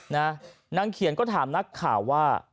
นางเขียนก็ถามนักข่าวว่า